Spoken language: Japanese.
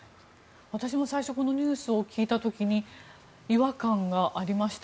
私も最初このニュースを聞いた時に違和感がありました。